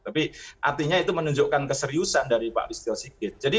tapi artinya itu menunjukkan keseriusan dari pak listio sigit